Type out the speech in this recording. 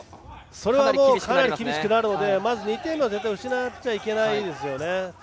それはかなり厳しくなるので、２点は絶対失っちゃいけませんね。